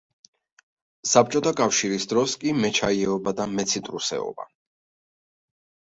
საბჭოთა კავშირის დროს კი მეჩაიეობა და მეციტრუსეობა.